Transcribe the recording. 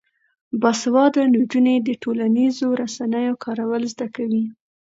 باسواده نجونې د ټولنیزو رسنیو کارول زده کوي.